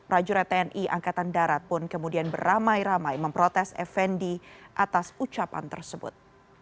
rajuran tni angkatan darat pun kemudian beramai ramai memprotes effendi atas ucapan tersebut